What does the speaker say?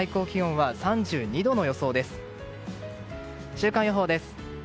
週間予報です。